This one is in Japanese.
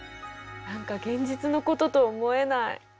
何か現実のことと思えない。